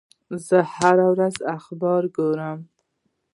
زه هره ورځ اخبار نه ګورم.